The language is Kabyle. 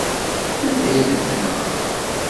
Anda ay tent-tenɣa?